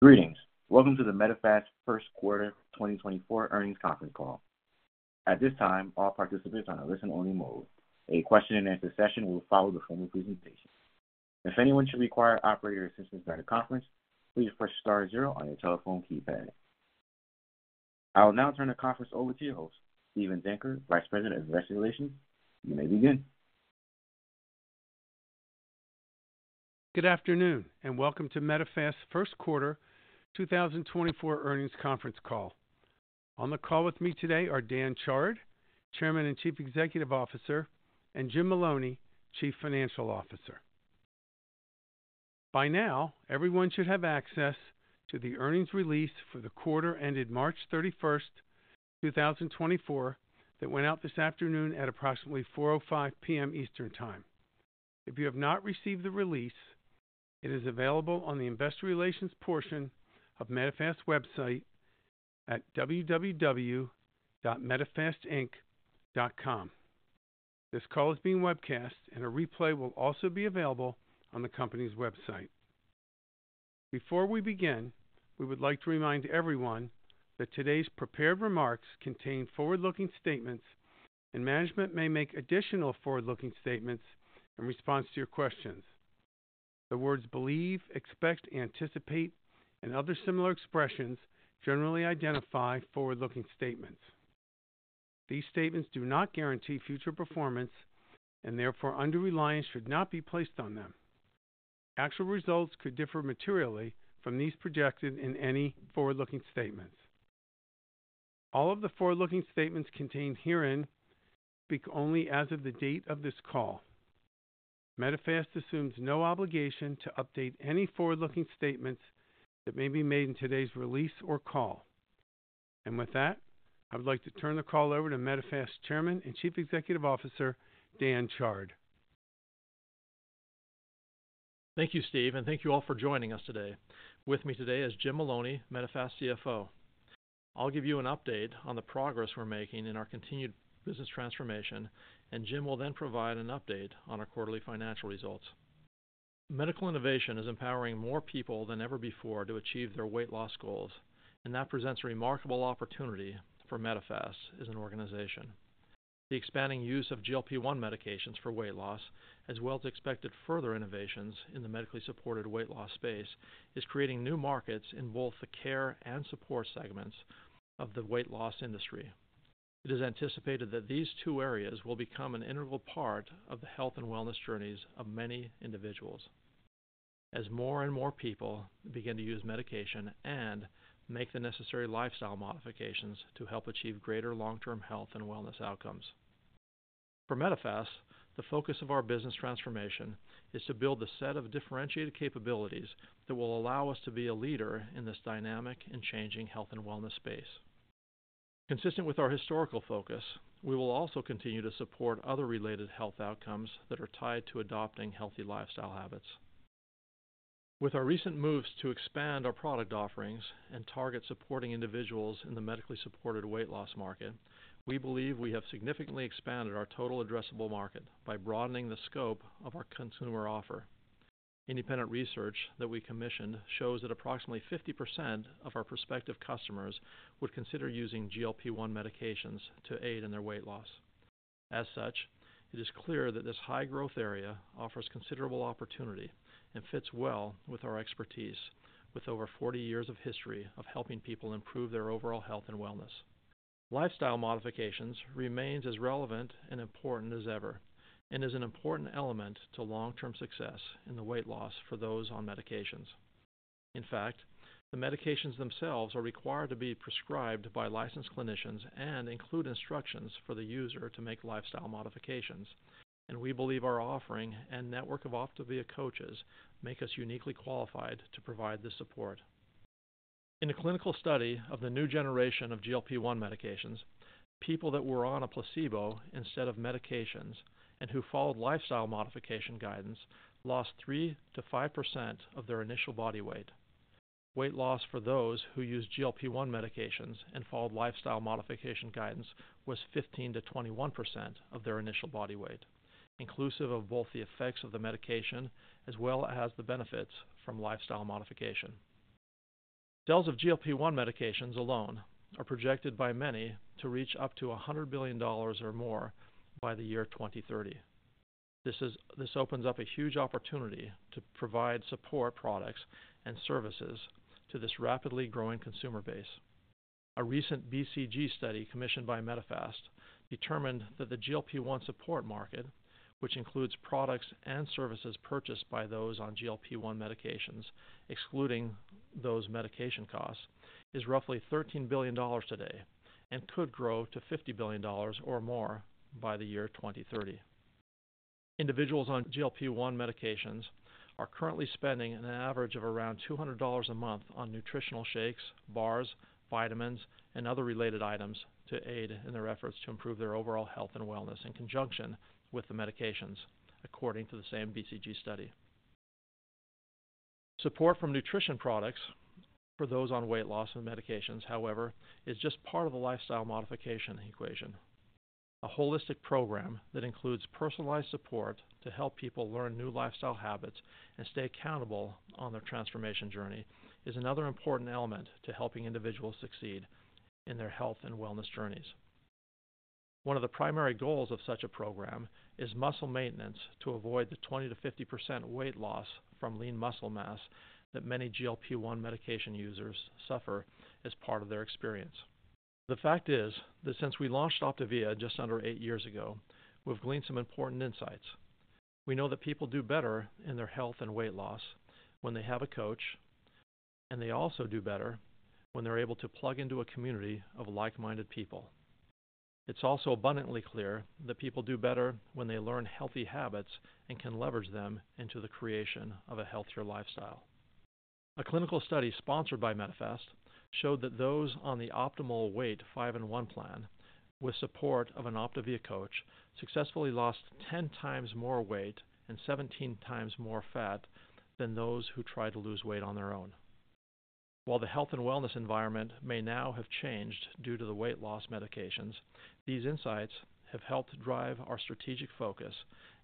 Greetings. Welcome to the Medifast first quarter 2024 earnings conference call. At this time, all participants are in a listen-only mode. A question-and-answer session will follow the formal presentation. If anyone should require operator assistance during the conference, please press star 0 on your telephone keypad. I will now turn the conference over to your host, Steven Zenker, Vice President of Investor Relations. You may begin. Good afternoon and welcome to Medifast first quarter 2024 earnings conference call. On the call with me today are Dan Chard, Chairman and Chief Executive Officer, and Jim Maloney, Chief Financial Officer. By now, everyone should have access to the earnings release for the quarter ended March 31, 2024 that went out this afternoon at approximately 4:05 P.M. Eastern Time. If you have not received the release, it is available on the Investor Relations portion of Medifast website at www.medifastinc.com. This call is being webcast, and a replay will also be available on the company's website. Before we begin, we would like to remind everyone that today's prepared remarks contain forward-looking statements, and management may make additional forward-looking statements in response to your questions. The words "believe," "expect," "anticipate," and other similar expressions generally identify forward-looking statements. These statements do not guarantee future performance and therefore under-reliance should not be placed on them. Actual results could differ materially from these projected in any forward-looking statements. All of the forward-looking statements contained herein speak only as of the date of this call. Medifast assumes no obligation to update any forward-looking statements that may be made in today's release or call. With that, I would like to turn the call over to Medifast Chairman and Chief Executive Officer Dan Chard. Thank you, Steve, and thank you all for joining us today. With me today is Jim Maloney, Medifast CFO. I'll give you an update on the progress we're making in our continued business transformation, and Jim will then provide an update on our quarterly financial results. Medical innovation is empowering more people than ever before to achieve their weight loss goals, and that presents a remarkable opportunity for Medifast as an organization. The expanding use of GLP-1 medications for weight loss, as well as expected further innovations in the medically supported weight loss space, is creating new markets in both the care and support segments of the weight loss industry. It is anticipated that these two areas will become an integral part of the health and wellness journeys of many individuals as more and more people begin to use medication and make the necessary lifestyle modifications to help achieve greater long-term health and wellness outcomes. For Medifast, the focus of our business transformation is to build the set of differentiated capabilities that will allow us to be a leader in this dynamic and changing health and wellness space. Consistent with our historical focus, we will also continue to support other related health outcomes that are tied to adopting healthy lifestyle habits. With our recent moves to expand our product offerings and target supporting individuals in the medically supported weight loss market, we believe we have significantly expanded our total addressable market by broadening the scope of our consumer offer. Independent research that we commissioned shows that approximately 50% of our prospective customers would consider using GLP-1 medications to aid in their weight loss. As such, it is clear that this high-growth area offers considerable opportunity and fits well with our expertise with over 40 years of history of helping people improve their overall health and wellness. Lifestyle modifications remain as relevant and important as ever and is an important element to long-term success in the weight loss for those on medications. In fact, the medications themselves are required to be prescribed by licensed clinicians and include instructions for the user to make lifestyle modifications, and we believe our offering and network of OPTAVIA coaches make us uniquely qualified to provide this support. In a clinical study of the new generation of GLP-1 medications, people that were on a placebo instead of medications and who followed lifestyle modification guidance lost 3%-5% of their initial body weight. Weight loss for those who used GLP-1 medications and followed lifestyle modification guidance was 15%-21% of their initial body weight, inclusive of both the effects of the medication as well as the benefits from lifestyle modification. Sales of GLP-1 medications alone are projected by many to reach up to $100 billion or more by the year 2030. This opens up a huge opportunity to provide support products and services to this rapidly growing consumer base. A recent BCG study commissioned by Medifast determined that the GLP-1 support market, which includes products and services purchased by those on GLP-1 medications excluding those medication costs, is roughly $13 billion today and could grow to $50 billion or more by the year 2030. Individuals on GLP-1 medications are currently spending an average of around $200 a month on nutritional shakes, bars, vitamins, and other related items to aid in their efforts to improve their overall health and wellness in conjunction with the medications, according to the same BCG study. Support from nutrition products for those on weight loss and medications, however, is just part of the lifestyle modification equation. A holistic program that includes personalized support to help people learn new lifestyle habits and stay accountable on their transformation journey is another important element to helping individuals succeed in their health and wellness journeys. One of the primary goals of such a program is muscle maintenance to avoid the 20%-50% weight loss from lean muscle mass that many GLP-1 medication users suffer as part of their experience. The fact is that since we launched OPTAVIA just under eight years ago, we've gleaned some important insights. We know that people do better in their health and weight loss when they have a coach, and they also do better when they're able to plug into a community of like-minded people. It's also abundantly clear that people do better when they learn healthy habits and can leverage them into the creation of a healthier lifestyle. A clinical study sponsored by Medifast showed that those on the Optimal Weight 5 & 1 Plan, with support of an OPTAVIA coach, successfully lost 10 times more weight and 17 times more fat than those who tried to lose weight on their own. While the health and wellness environment may now have changed due to the weight loss medications, these insights have helped drive our strategic focus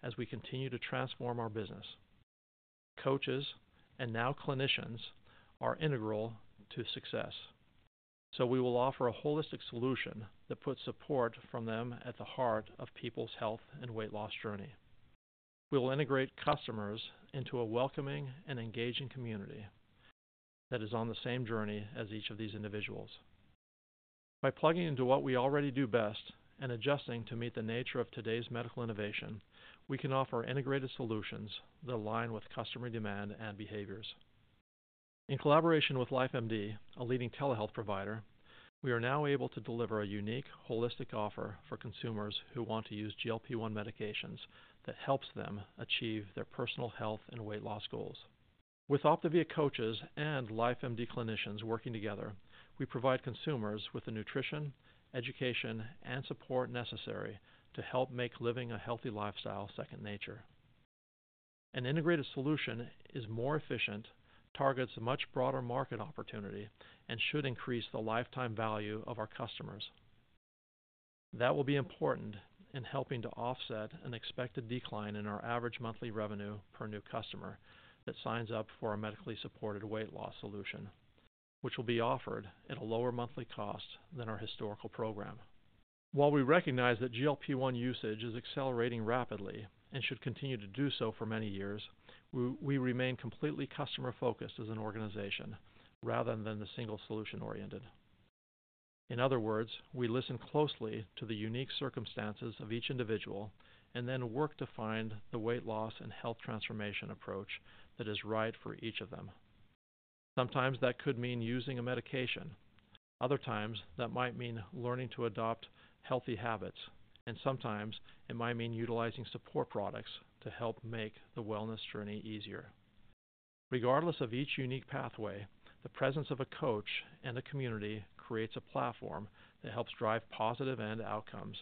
as we continue to transform our business. Coaches and now clinicians are integral to success, so we will offer a holistic solution that puts support from them at the heart of people's health and weight loss journey. We will integrate customers into a welcoming and engaging community that is on the same journey as each of these individuals. By plugging into what we already do best and adjusting to meet the nature of today's medical innovation, we can offer integrated solutions that align with customer demand and behaviors. In collaboration with LifeMD, a leading telehealth provider, we are now able to deliver a unique, holistic offer for consumers who want to use GLP-1 medications that helps them achieve their personal health and weight loss goals. With OPTAVIA coaches and LifeMD clinicians working together, we provide consumers with the nutrition, education, and support necessary to help make living a healthy lifestyle second nature. An integrated solution is more efficient, targets a much broader market opportunity, and should increase the lifetime value of our customers. That will be important in helping to offset an expected decline in our average monthly revenue per new customer that signs up for a medically supported weight loss solution, which will be offered at a lower monthly cost than our historical program. While we recognize that GLP-1 usage is accelerating rapidly and should continue to do so for many years, we remain completely customer-focused as an organization rather than the single-solution-oriented. In other words, we listen closely to the unique circumstances of each individual and then work to find the weight loss and health transformation approach that is right for each of them. Sometimes that could mean using a medication. Other times, that might mean learning to adopt healthy habits, and sometimes it might mean utilizing support products to help make the wellness journey easier. Regardless of each unique pathway, the presence of a coach and a community creates a platform that helps drive positive end outcomes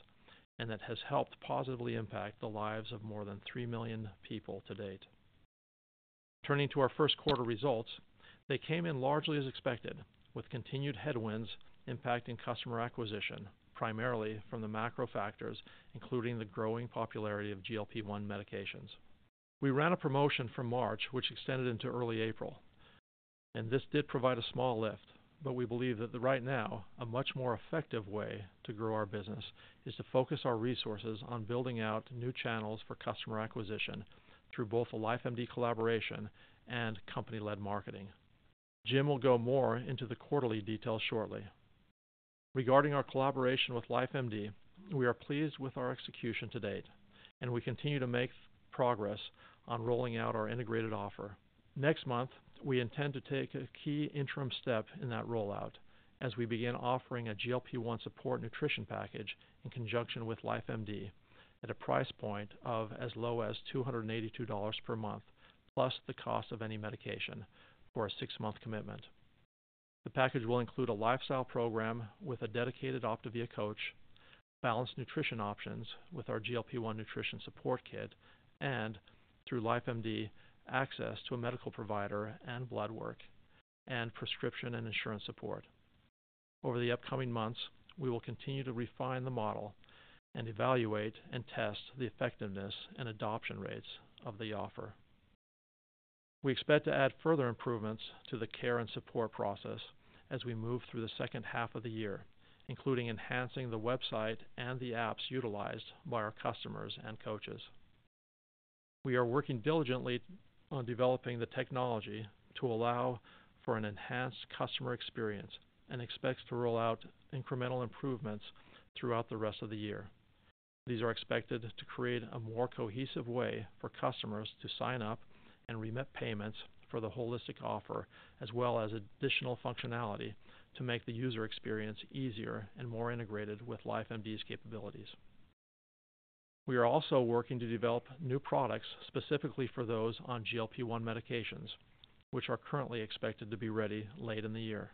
and that has helped positively impact the lives of more than 3 million people to date. Turning to our first quarter results, they came in largely as expected, with continued headwinds impacting customer acquisition primarily from the macro factors, including the growing popularity of GLP-1 medications. We ran a promotion from March which extended into early April, and this did provide a small lift, but we believe that right now a much more effective way to grow our business is to focus our resources on building out new channels for customer acquisition through both a LifeMD collaboration and company-led marketing. Jim will go more into the quarterly details shortly. Regarding our collaboration with LifeMD, we are pleased with our execution to date, and we continue to make progress on rolling out our integrated offer. Next month, we intend to take a key interim step in that rollout as we begin offering a GLP-1 support nutrition package in conjunction with LifeMD at a price point of as low as $282 per month plus the cost of any medication for a six-month commitment. The package will include a lifestyle program with a dedicated OPTAVIA coach, balanced nutrition options with our GLP-1 nutrition support kit, and through LifeMD, access to a medical provider and blood work, and prescription and insurance support. Over the upcoming months, we will continue to refine the model and evaluate and test the effectiveness and adoption rates of the offer. We expect to add further improvements to the care and support process as we move through the second half of the year, including enhancing the website and the apps utilized by our customers and coaches. We are working diligently on developing the technology to allow for an enhanced customer experience and expect to roll out incremental improvements throughout the rest of the year. These are expected to create a more cohesive way for customers to sign up and remit payments for the holistic offer as well as additional functionality to make the user experience easier and more integrated with LifeMD's capabilities. We are also working to develop new products specifically for those on GLP-1 medications, which are currently expected to be ready late in the year.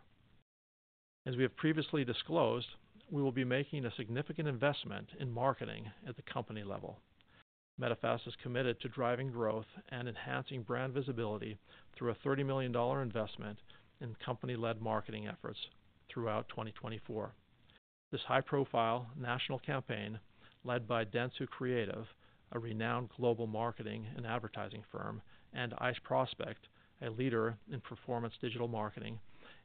As we have previously disclosed, we will be making a significant investment in marketing at the company level. Medifast is committed to driving growth and enhancing brand visibility through a $30 million investment in company-led marketing efforts throughout 2024. This high-profile national campaign led by Dentsu Creative, a renowned global marketing and advertising firm, and iProspect, a leader in performance digital marketing,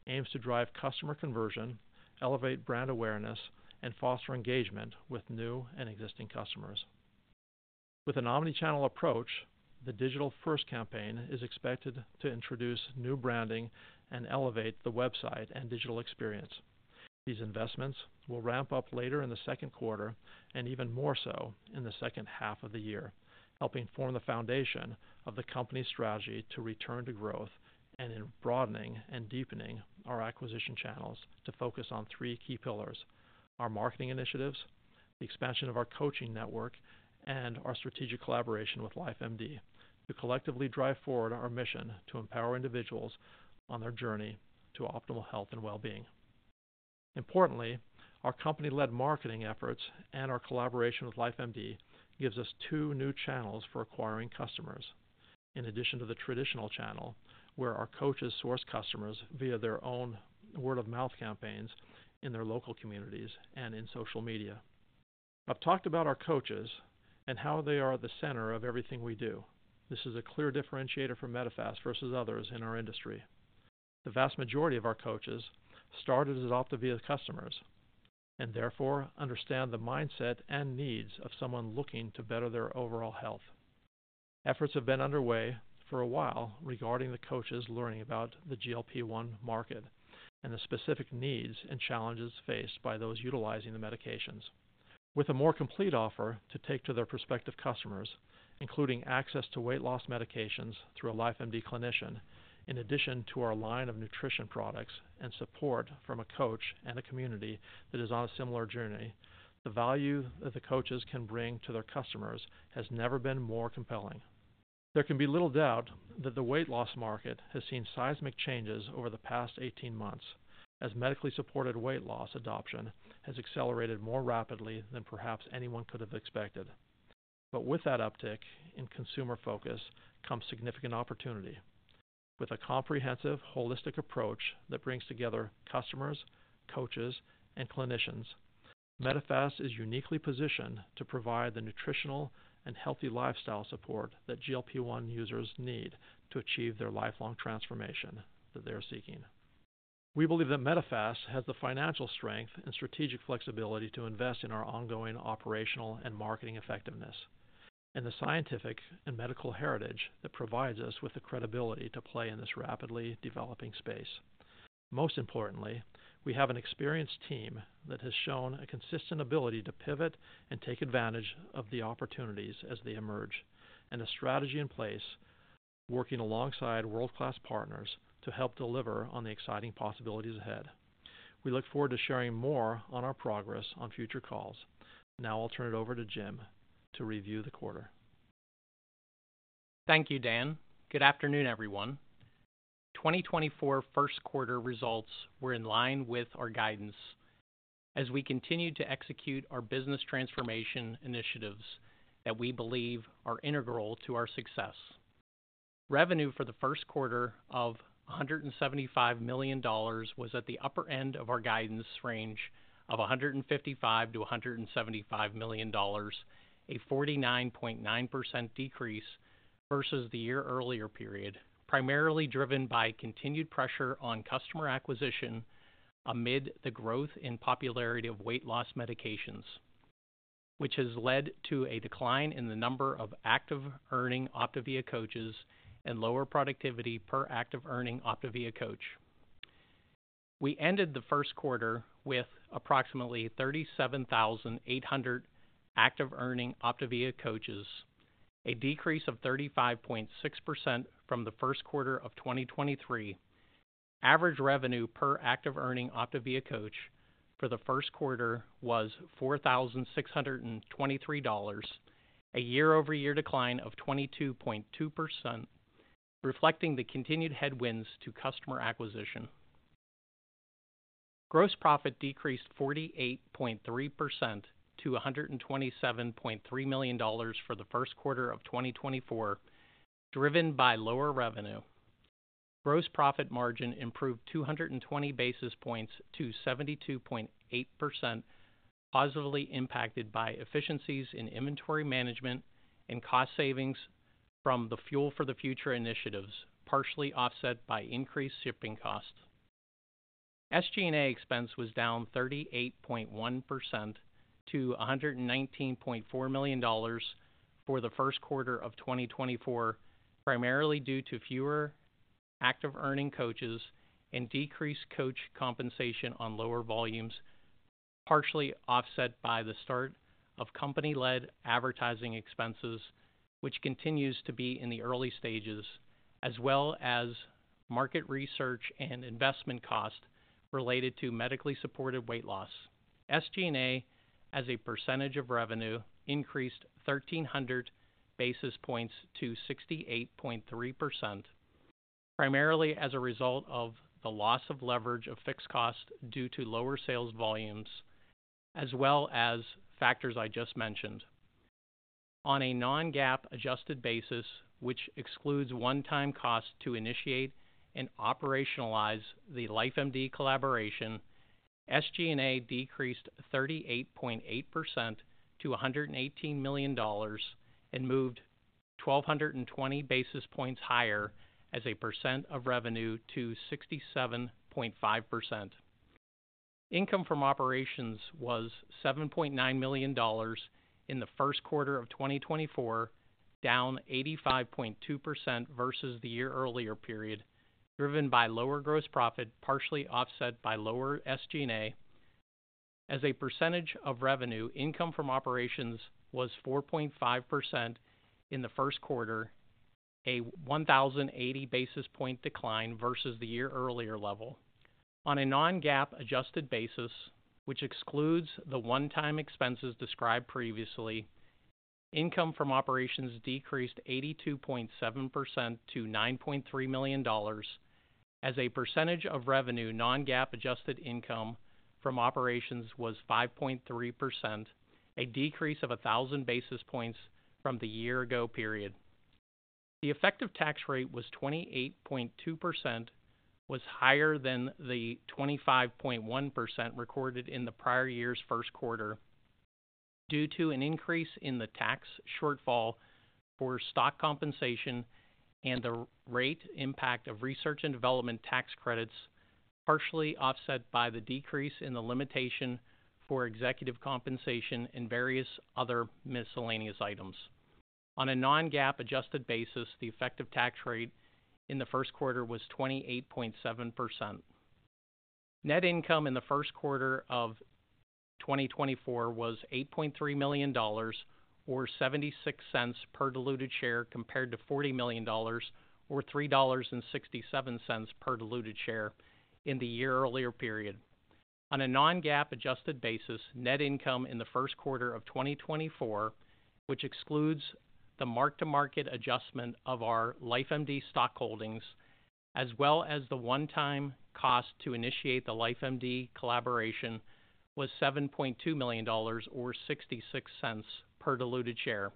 aims to drive customer conversion, elevate brand awareness, and foster engagement with new and existing customers. With a omni-channel approach, the Digital First campaign is expected to introduce new branding and elevate the website and digital experience. These investments will ramp up later in the second quarter and even more so in the second half of the year, helping form the foundation of the company's strategy to return to growth and in broadening and deepening our acquisition channels to focus on three key pillars: our marketing initiatives, the expansion of our coaching network, and our strategic collaboration with LifeMD to collectively drive forward our mission to empower individuals on their journey to optimal health and well-being. Importantly, our company-led marketing efforts and our collaboration with LifeMD give us two new channels for acquiring customers, in addition to the traditional channel where our coaches source customers via their own word-of-mouth campaigns in their local communities and in social media. I've talked about our coaches and how they are at the center of everything we do. This is a clear differentiator for Medifast versus others in our industry. The vast majority of our coaches started as OPTAVIA customers and therefore understand the mindset and needs of someone looking to better their overall health. Efforts have been underway for a while regarding the coaches learning about the GLP-1 market and the specific needs and challenges faced by those utilizing the medications. With a more complete offer to take to their prospective customers, including access to weight loss medications through a LifeMD clinician, in addition to our line of nutrition products and support from a coach and a community that is on a similar journey, the value that the coaches can bring to their customers has never been more compelling. There can be little doubt that the weight loss market has seen seismic changes over the past 18 months as medically supported weight loss adoption has accelerated more rapidly than perhaps anyone could have expected. But with that uptick in consumer focus comes significant opportunity. With a comprehensive, holistic approach that brings together customers, coaches, and clinicians, Medifast is uniquely positioned to provide the nutritional and healthy lifestyle support that GLP-1 users need to achieve their lifelong transformation that they're seeking. We believe that Medifast has the financial strength and strategic flexibility to invest in our ongoing operational and marketing effectiveness and the scientific and medical heritage that provides us with the credibility to play in this rapidly developing space. Most importantly, we have an experienced team that has shown a consistent ability to pivot and take advantage of the opportunities as they emerge and a strategy in place working alongside world-class partners to help deliver on the exciting possibilities ahead. We look forward to sharing more on our progress on future calls. Now I'll turn it over to Jim to review the quarter. Thank you, Dan. Good afternoon, everyone. 2024 first quarter results were in line with our guidance as we continue to execute our business transformation initiatives that we believe are integral to our success. Revenue for the first quarter of $175 million was at the upper end of our guidance range of $155-$175 million, a 49.9% decrease versus the year earlier period, primarily driven by continued pressure on customer acquisition amid the growth in popularity of weight loss medications, which has led to a decline in the number of active-earning OPTAVIA coaches and lower productivity per active-earning OPTAVIA coach. We ended the first quarter with approximately 37,800 active-earning OPTAVIA coaches, a decrease of 35.6% from the first quarter of 2023. Average revenue per active-earning OPTAVIA coach for the first quarter was $4,623, a year-over-year decline of 22.2%, reflecting the continued headwinds to customer acquisition. Gross profit decreased 48.3% to $127.3 million for the first quarter of 2024, driven by lower revenue. Gross profit margin improved 220 basis points to 72.8%, positively impacted by efficiencies in inventory management and cost savings from the Fuel for the Future initiatives, partially offset by increased shipping costs. SG&A expense was down 38.1% to $119.4 million for the first quarter of 2024, primarily due to fewer active-earning coaches and decreased coach compensation on lower volumes, partially offset by the start of company-led advertising expenses, which continues to be in the early stages, as well as market research and investment cost related to medically supported weight loss. SG&A, as a percentage of revenue, increased 1,300 basis points to 68.3%, primarily as a result of the loss of leverage of fixed cost due to lower sales volumes, as well as factors I just mentioned. On a non-GAAP adjusted basis, which excludes one-time cost to initiate and operationalize the LifeMD collaboration, SG&A decreased 38.8% to $118 million and moved 1,220 basis points higher as a percent of revenue to 67.5%. Income from operations was $7.9 million in the first quarter of 2024, down 85.2% versus the year earlier period, driven by lower gross profit, partially offset by lower SG&A. As a percentage of revenue, income from operations was 4.5% in the first quarter, a 1,080 basis point decline versus the year earlier level. On a non-GAAP adjusted basis, which excludes the one-time expenses described previously, income from operations decreased 82.7% to $9.3 million as a percentage of revenue. Non-GAAP adjusted income from operations was 5.3%, a decrease of 1,000 basis points from the year-ago period. The effective tax rate was 28.2%, was higher than the 25.1% recorded in the prior year's first quarter due to an increase in the tax shortfall for stock compensation and the rate impact of research and development tax credits, partially offset by the decrease in the limitation for executive compensation and various other miscellaneous items. On a non-GAAP adjusted basis, the effective tax rate in the first quarter was 28.7%. Net income in the first quarter of 2024 was $8.3 million or $0.76 per diluted share compared to $40 million or $3.67 per diluted share in the year earlier period. On a non-GAAP adjusted basis, net income in the first quarter of 2024, which excludes the mark-to-market adjustment of our LifeMD stock holdings as well as the one-time cost to initiate the LifeMD collaboration, was $7.2 million or $0.66 per diluted share.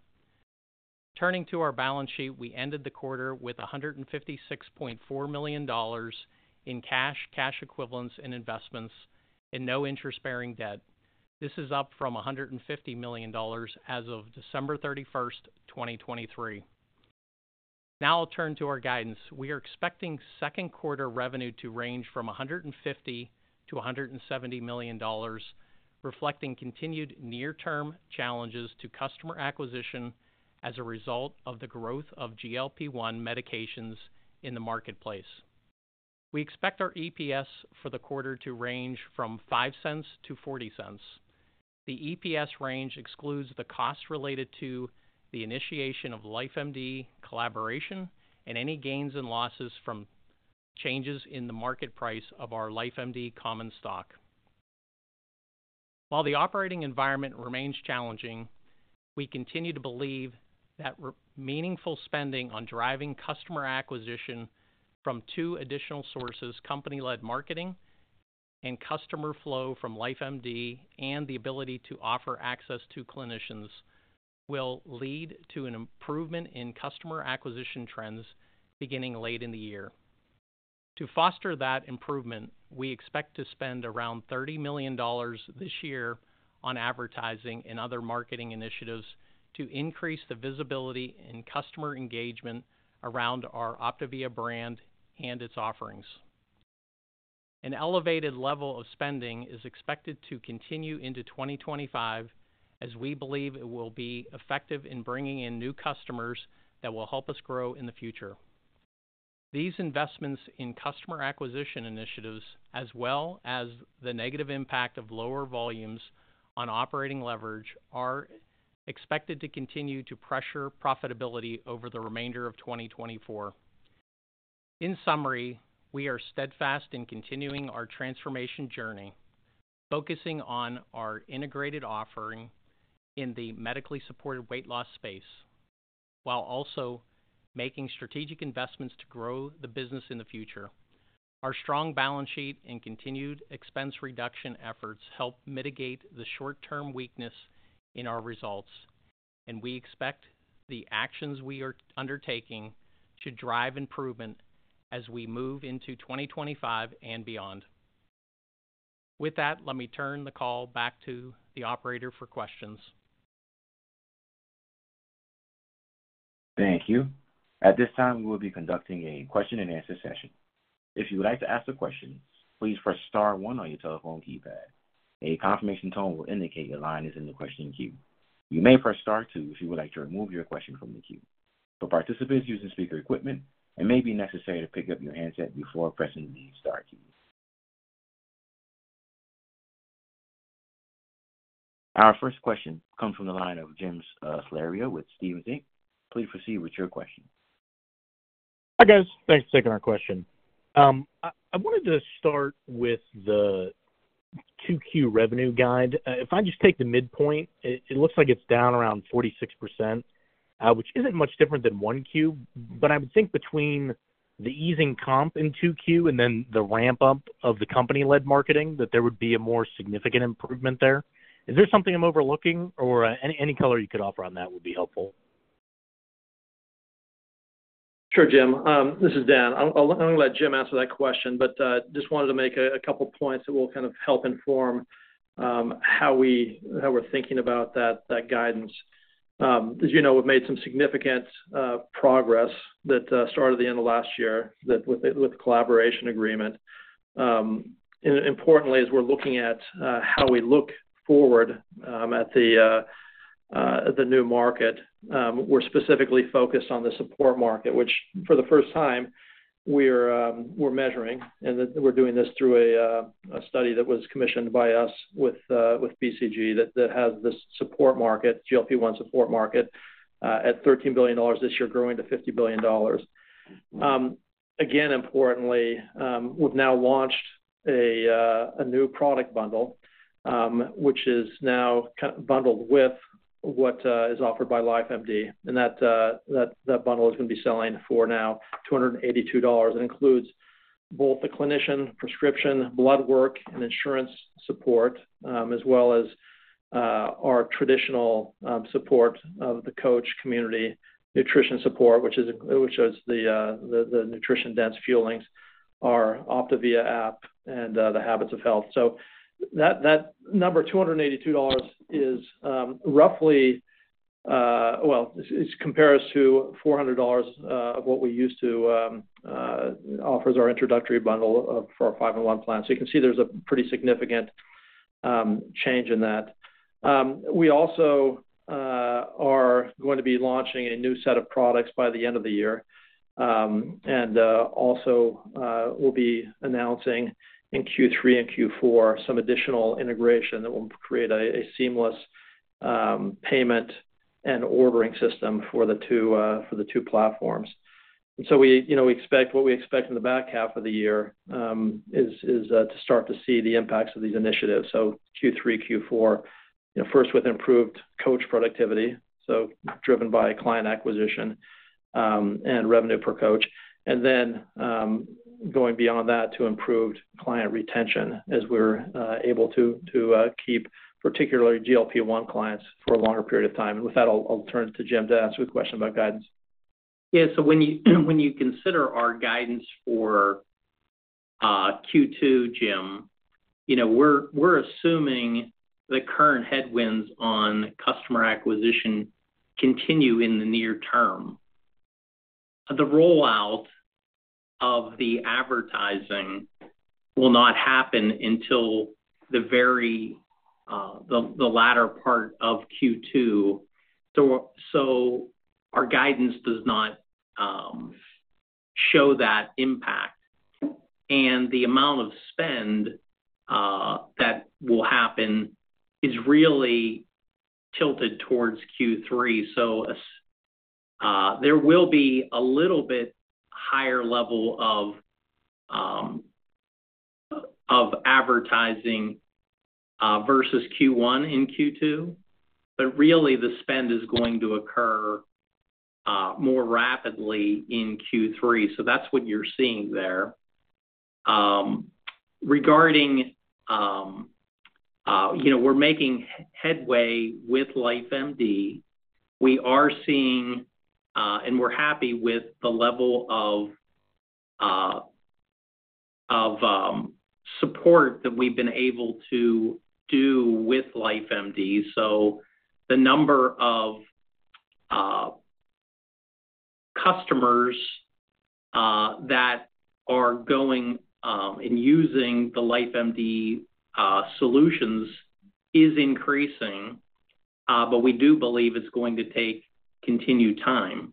Turning to our balance sheet, we ended the quarter with $156.4 million in cash, cash equivalents, and investments and no interest-bearing debt. This is up from $150 million as of December 31st, 2023. Now I'll turn to our guidance. We are expecting second quarter revenue to range from $150-$170 million, reflecting continued near-term challenges to customer acquisition as a result of the growth of GLP-1 medications in the marketplace. We expect our EPS for the quarter to range from $0.05-$0.40. The EPS range excludes the costs related to the initiation of LifeMD collaboration and any gains and losses from changes in the market price of our LifeMD common stock. While the operating environment remains challenging, we continue to believe that meaningful spending on driving customer acquisition from two additional sources, company-led marketing and customer flow from LifeMD, and the ability to offer access to clinicians, will lead to an improvement in customer acquisition trends beginning late in the year. To foster that improvement, we expect to spend around $30 million this year on advertising and other marketing initiatives to increase the visibility and customer engagement around our OPTAVIA brand and its offerings. An elevated level of spending is expected to continue into 2025 as we believe it will be effective in bringing in new customers that will help us grow in the future. These investments in customer acquisition initiatives, as well as the negative impact of lower volumes on operating leverage, are expected to continue to pressure profitability over the remainder of 2024. In summary, we are steadfast in continuing our transformation journey, focusing on our integrated offering in the medically supported weight loss space while also making strategic investments to grow the business in the future. Our strong balance sheet and continued expense reduction efforts help mitigate the short-term weakness in our results, and we expect the actions we are undertaking should drive improvement as we move into 2025 and beyond. With that, let me turn the call back to the operator for questions. Thank you. At this time, we will be conducting a question-and-answer session. If you would like to ask a question, please press star one on your telephone keypad. A confirmation tone will indicate your line is in the question queue. You may press star two if you would like to remove your question from the queue. For participants using speaker equipment, it may be necessary to pick up your handset before pressing the star key. Our first question comes from the line of Jim Salera with Steven Zenker. Please proceed with your question. Hi guys. Thanks for taking our question. I wanted to start with the 2Q revenue guide. If I just take the midpoint, it looks like it's down around 46%, which isn't much different than 1Q, but I would think between the easing comp in 2Q and then the ramp-up of the company-led marketing, that there would be a more significant improvement there. Is there something I'm overlooking, or any color you could offer on that would be helpful? Sure, Jim. This is Dan. I'm going to let Jim answer that question, but just wanted to make a couple of points that will kind of help inform how we're thinking about that guidance. As you know, we've made some significant progress that started at the end of last year with the collaboration agreement. Importantly, as we're looking at how we look forward at the new market, we're specifically focused on the support market, which for the first time we're measuring. And we're doing this through a study that was commissioned by us with BCG that has this support market, GLP-1 support market, at $13 billion this year, growing to $50 billion. Again, importantly, we've now launched a new product bundle, which is now bundled with what is offered by LifeMD. And that bundle is going to be selling for now $282. It includes both the clinician prescription, blood work, and insurance support, as well as our traditional support of the coach community, nutrition support, which is the nutrient-dense fuelings, our OPTAVIA app, and the Habits of Health. So that number, $282, is roughly, well, it compares to $400 of what we used to offer as our introductory bundle for our 5&1 plan. So you can see there's a pretty significant change in that. We also are going to be launching a new set of products by the end of the year and also will be announcing in Q3 and Q4 some additional integration that will create a seamless payment and ordering system for the two platforms. And so we expect what we expect in the back half of the year is to start to see the impacts of these initiatives. Q3, Q4, first with improved coach productivity, so driven by client acquisition and revenue per coach, and then going beyond that to improved client retention as we're able to keep particularly GLP-1 clients for a longer period of time. With that, I'll turn it to Jim to ask you a question about guidance. Yeah. So when you consider our guidance for Q2, Jim, we're assuming the current headwinds on customer acquisition continue in the near term. The rollout of the advertising will not happen until the latter part of Q2. So our guidance does not show that impact. And the amount of spend that will happen is really tilted towards Q3. So there will be a little bit higher level of advertising versus Q1 in Q2, but really the spend is going to occur more rapidly in Q3. So that's what you're seeing there. Regarding, we're making headway with LifeMD. We are seeing and we're happy with the level of support that we've been able to do with LifeMD. So the number of customers that are going and using the LifeMD solutions is increasing, but we do believe it's going to take continued time.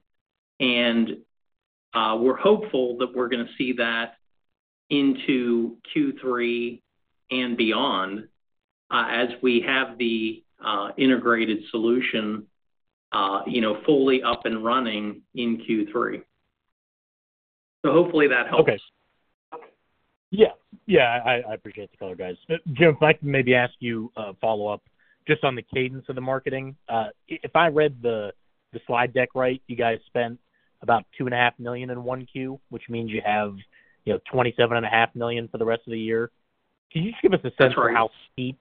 We're hopeful that we're going to see that into Q3 and beyond as we have the integrated solution fully up and running in Q3. Hopefully that helps. Okay. Yes. Yeah. I appreciate the color, guys. Jim, if I can maybe ask you a follow-up just on the cadence of the marketing. If I read the slide deck right, you guys spent about $2.5 million in 1Q, which means you have $27.5 million for the rest of the year. Can you just give us a sense of how steep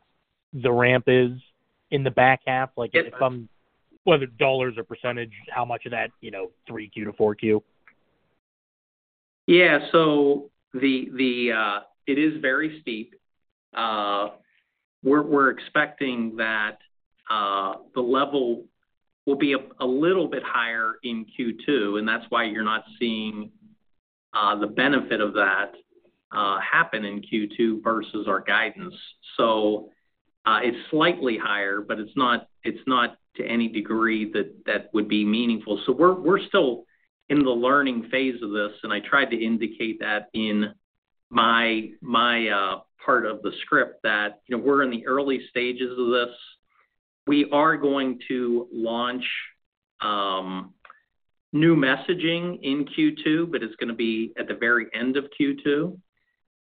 the ramp is in the back half? If I'm. Whether dollars or percentage, how much of that 3Q to 4Q? Yeah. So it is very steep. We're expecting that the level will be a little bit higher in Q2, and that's why you're not seeing the benefit of that happen in Q2 versus our guidance. So it's slightly higher, but it's not to any degree that would be meaningful. So we're still in the learning phase of this, and I tried to indicate that in my part of the script that we're in the early stages of this. We are going to launch new messaging in Q2, but it's going to be at the very end of Q2.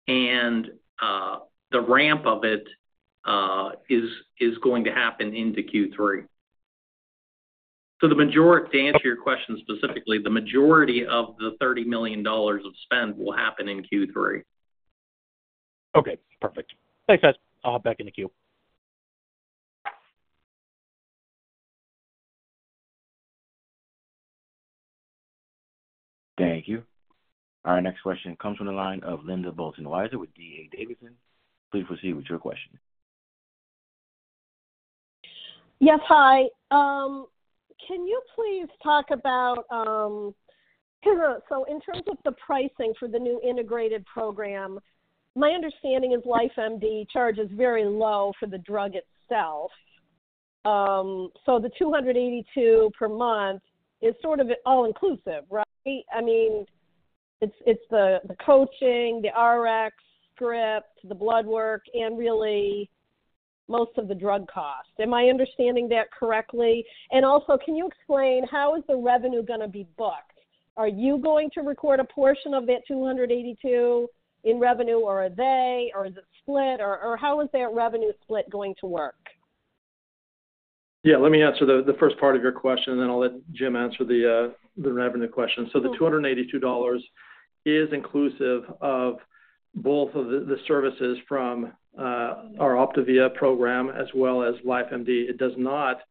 And the ramp of it is going to happen into Q3. So to answer your question specifically, the majority of the $30 million of spend will happen in Q3. Okay. Perfect. Thanks, guys. I'll hop back into queue. Thank you. Our next question comes from the line of Linda Bolton-Weiser with D.A. Davidson. Please proceed with your question. Yes. Hi. Can you please talk about so in terms of the pricing for the new integrated program, my understanding is LifeMD charges very low for the drug itself. So the $282 per month is sort of all-inclusive, right? I mean, it's the coaching, the Rx script, the blood work, and really most of the drug cost. Am I understanding that correctly? And also, can you explain how is the revenue going to be booked? Are you going to record a portion of that $282 in revenue, or are they, or is it split? Or how is that revenue split going to work? Yeah. Let me answer the first part of your question, and then I'll let Jim answer the revenue question. So the $282 is inclusive of both of the services from our OPTAVIA program as well as LifeMD. It does not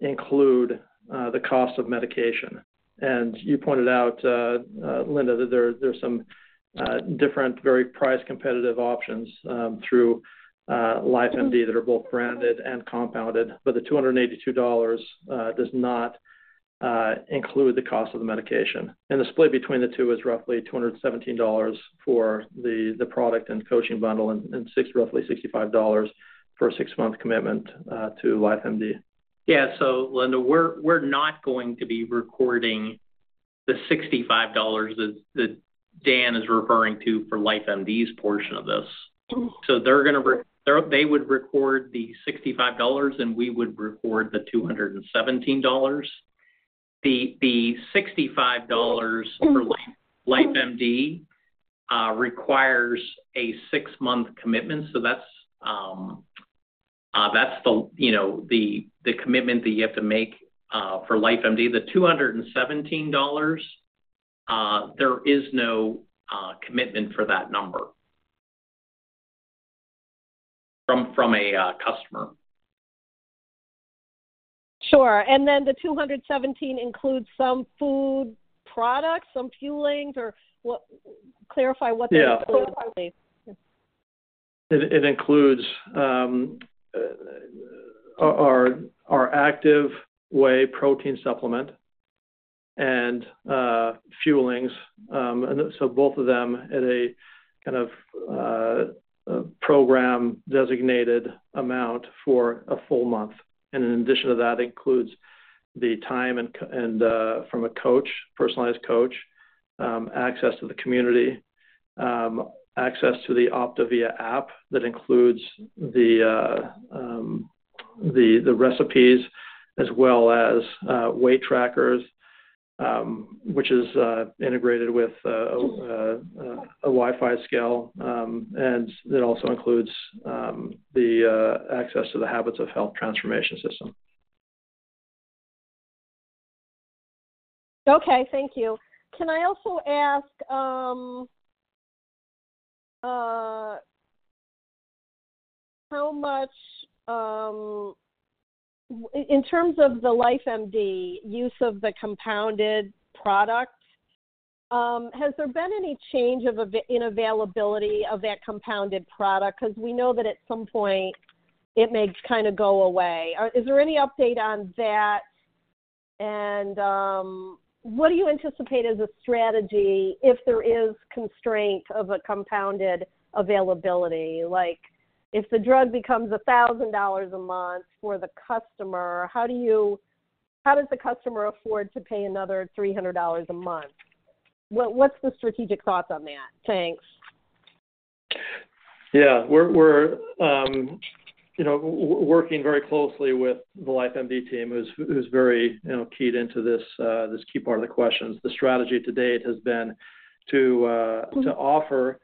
include the cost of medication. And you pointed out, Linda, that there are some different, very price-competitive options through LifeMD that are both branded and compounded. But the $282 does not include the cost of the medication. And the split between the two is roughly $217 for the product and coaching bundle, and roughly $65 for a six-month commitment to LifeMD. Yeah. So, Linda, we're not going to be recording the $65 that Dan is referring to for LifeMD's portion of this. So they would record the $65, and we would record the $217. The $65 for LifeMD requires a six-month commitment. So that's the commitment that you have to make for LifeMD. The $217, there is no commitment for that number from a customer. Sure. And then the 217 includes some food products, some fuelings? Or clarify what that. It includes our Active Whey protein supplement and fuelings, so both of them at a kind of program-designated amount for a full month. In addition to that, it includes the time from a personalized coach, access to the community, access to the OPTAVIA app that includes the recipes, as well as weight trackers, which is integrated with a Wi-Fi scale. It also includes the access to the Habits of Health transformation system. Okay. Thank you. Can I also ask how much in terms of the LifeMD use of the compounded product, has there been any change in availability of that compounded product? Because we know that at some point it may kind of go away. Is there any update on that? And what do you anticipate as a strategy if there is constraint of a compounded availability? If the drug becomes $1,000 a month for the customer, how does the customer afford to pay another $300 a month? What's the strategic thoughts on that? Thanks. Yeah. We're working very closely with the LifeMD team, who's very keyed into this key part of the questions. The strategy to date has been to offer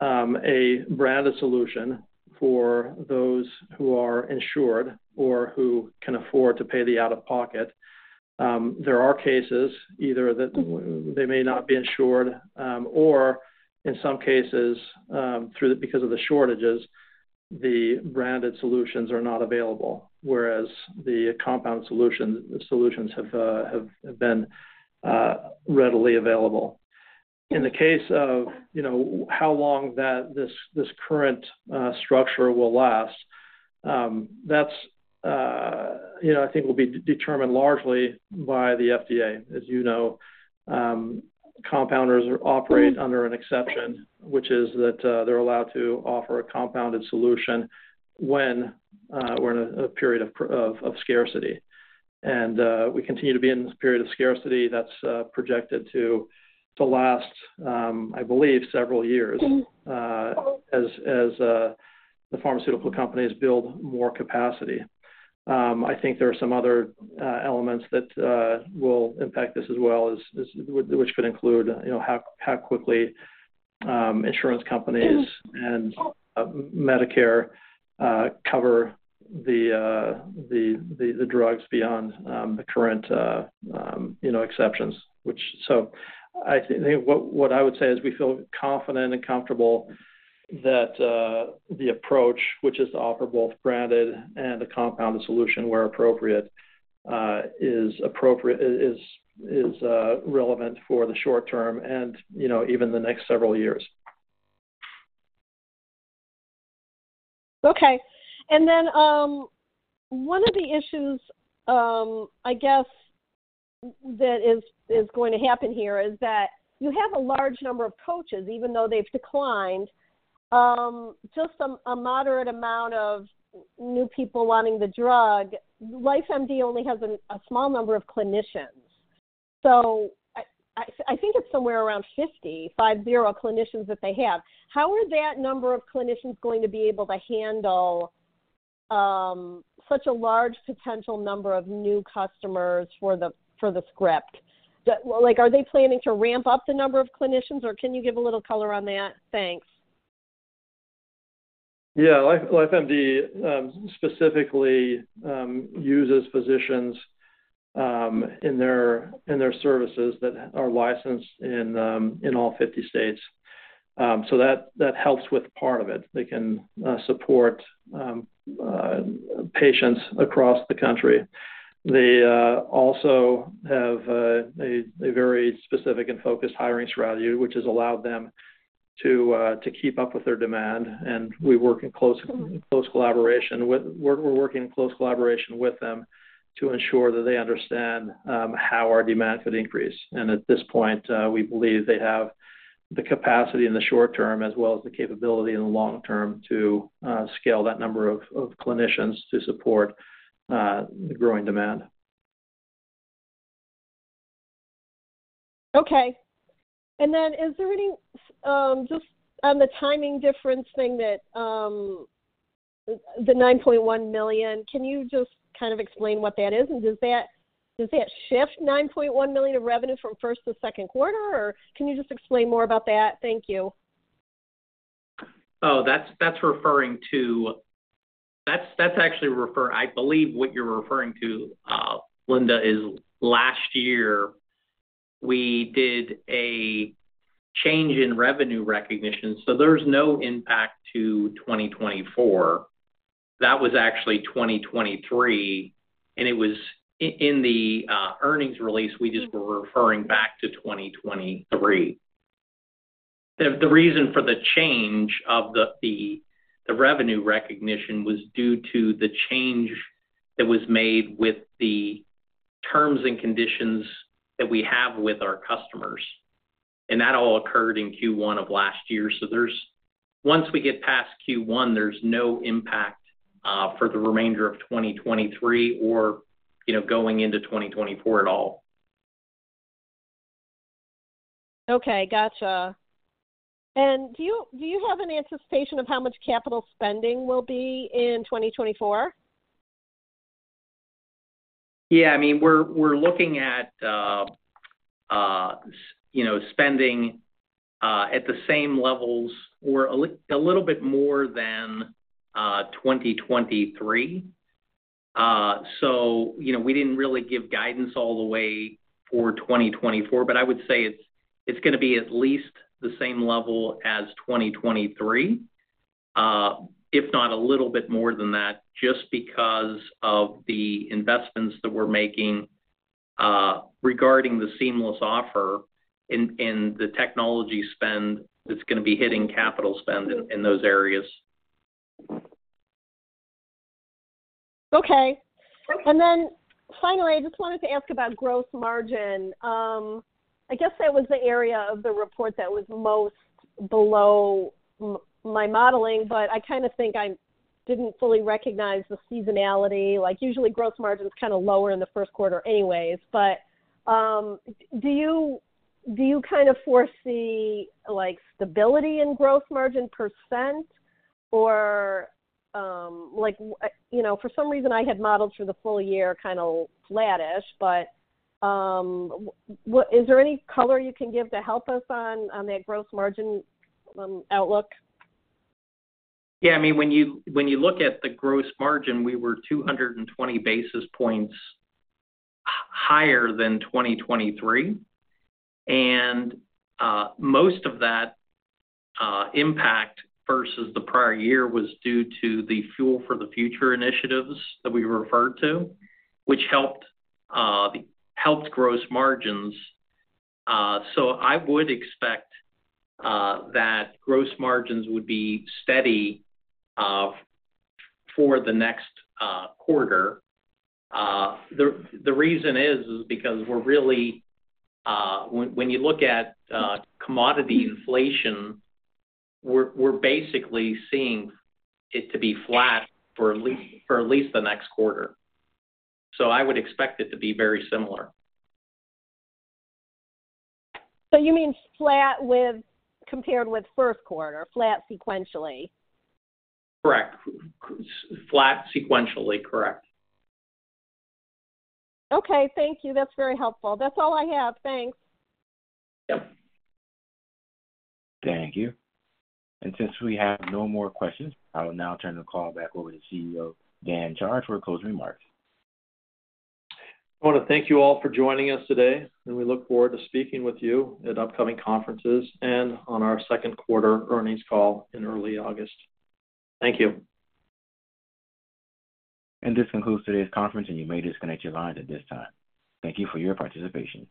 a branded solution for those who are insured or who can afford to pay the out-of-pocket. There are cases either that they may not be insured or, in some cases, because of the shortages, the branded solutions are not available, whereas the compound solutions have been readily available. In the case of how long this current structure will last, that, I think, will be determined largely by the FDA. As you know, compounders operate under an exception, which is that they're allowed to offer a compounded solution when we're in a period of scarcity. We continue to be in this period of scarcity. That's projected to last, I believe, several years as the pharmaceutical companies build more capacity. I think there are some other elements that will impact this as well, which could include how quickly insurance companies and Medicare cover the drugs beyond the current exceptions. So I think what I would say is we feel confident and comfortable that the approach, which is to offer both branded and a compounded solution where appropriate, is relevant for the short term and even the next several years. Okay. And then one of the issues, I guess, that is going to happen here is that you have a large number of coaches, even though they've declined, just a moderate amount of new people wanting the drug. LifeMD only has a small number of clinicians. So I think it's somewhere around 50, 50 clinicians that they have. How are that number of clinicians going to be able to handle such a large potential number of new customers for the script? Are they planning to ramp up the number of clinicians, or can you give a little color on that? Thanks. Yeah. LifeMD specifically uses physicians in their services that are licensed in all 50 states. So that helps with part of it. They can support patients across the country. They also have a very specific and focused hiring strategy, which has allowed them to keep up with their demand. We work in close collaboration. We're working in close collaboration with them to ensure that they understand how our demand could increase. At this point, we believe they have the capacity in the short term as well as the capability in the long term to scale that number of clinicians to support the growing demand. Okay. And then is there any just on the timing difference thing that the $9.1 million, can you just kind of explain what that is? And does that shift $9.1 million of revenue from first to second quarter, or can you just explain more about that? Thank you. Oh, that's actually referring. I believe what you're referring to, Linda, is last year, we did a change in revenue recognition. So there's no impact to 2024. That was actually 2023. And in the earnings release, we just were referring back to 2023. The reason for the change of the revenue recognition was due to the change that was made with the terms and conditions that we have with our customers. And that all occurred in Q1 of last year. So once we get past Q1, there's no impact for the remainder of 2023 or going into 2024 at all. Okay. Gotcha. And do you have an anticipation of how much capital spending will be in 2024? Yeah. I mean, we're looking at spending at the same levels or a little bit more than 2023. So we didn't really give guidance all the way for 2024. But I would say it's going to be at least the same level as 2023, if not a little bit more than that, just because of the investments that we're making regarding the seamless offer and the technology spend that's going to be hitting capital spend in those areas. Okay. And then finally, I just wanted to ask about gross margin. I guess that was the area of the report that was most below my modeling, but I kind of think I didn't fully recognize the seasonality. Usually, gross margin's kind of lower in the first quarter anyways. But do you kind of foresee stability in gross margin percent? Or for some reason, I had modeled for the full year kind of flat-ish, but is there any color you can give to help us on that gross margin outlook? Yeah. I mean, when you look at the gross margin, we were 220 basis points higher than 2023. Most of that impact versus the prior year was due to the Fuel for the Future initiatives that we referred to, which helped gross margins. I would expect that gross margins would be steady for the next quarter. The reason is because when you look at commodity inflation, we're basically seeing it to be flat for at least the next quarter. I would expect it to be very similar. You mean flat compared with first quarter, flat sequentially? Correct. Flat sequentially. Correct. Okay. Thank you. That's very helpful. That's all I have. Thanks. Yep. Thank you. Since we have no more questions, I'll now turn the call back over to CEO Dan Chard for closing remarks. I want to thank you all for joining us today. We look forward to speaking with you at upcoming conferences and on our second quarter earnings call in early August. Thank you. This concludes today's conference, and you may disconnect your lines at this time. Thank you for your participation.